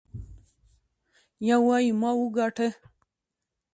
يو وايي ما وګاټه.